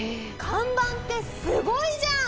看板ってすごいじゃん！